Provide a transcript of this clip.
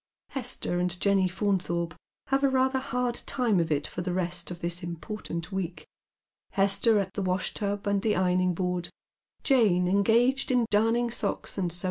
Hester and Jenny Fnunthorpe have rather a hard time of it for the rest of this important week, Hester at the wash tub ami the ironing board, Jane engaged in darning stockings and sewin.